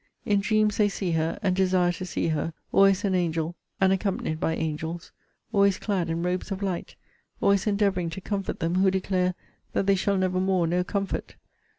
In dreams they see her, and desire to see her; always an angel, and accompanied by angels; always clad in robes of light; always endeavouring to comfort them, who declare, that they shall never more know comfort!